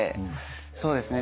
そうですね。